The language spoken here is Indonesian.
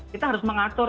kita harus mengatur